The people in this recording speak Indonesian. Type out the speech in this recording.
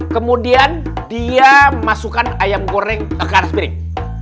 kemudian dia memasukkan ayam goreng ke atas piring